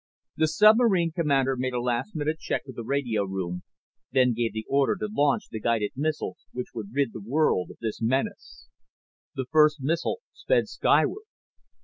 The submarine commander made a last minute check with the radio room, then gave the order to launch the guided missiles which would rid the world of this menace. The first missile sped skyward.